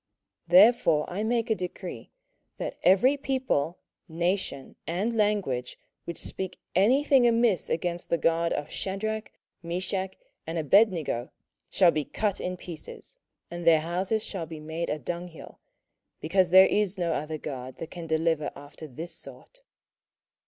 27:003:029 Therefore I make a decree, That every people, nation, and language, which speak any thing amiss against the God of Shadrach, Meshach, and Abednego, shall be cut in pieces, and their houses shall be made a dunghill: because there is no other God that can deliver after this sort.